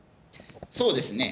そうですね。